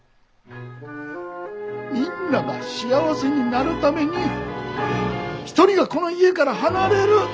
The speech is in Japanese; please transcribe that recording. みんなが幸せになるために１人がこの家から離れる。